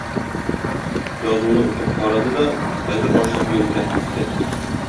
Язуны укып карады да, хәзер ачлык юлы белән китте.